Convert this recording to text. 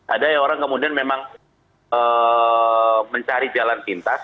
ada yang orang kemudian memang mencari jalan pintas